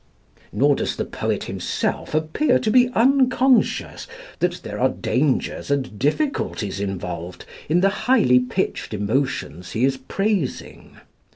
Nor does the poet himself appear to be unconscious that there are dangers and difficulties involved in the highly pitched emotions he is praising.